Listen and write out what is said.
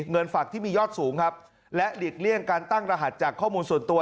เงินฝากที่มียอดสูงครับและหลีกเลี่ยงการตั้งรหัสจากข้อมูลส่วนตัว